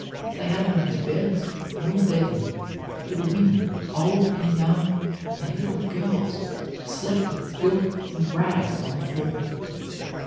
They had neither beds nor bedding, but women, old and young, and little girls, slept in filth and rags on the floor.